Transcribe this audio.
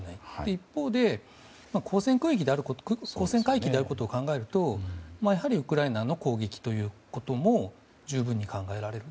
一方で交戦海域であることを考えるとやはりウクライナの攻撃ということも十分に考えられる。